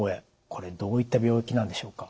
これどういった病気なんでしょうか？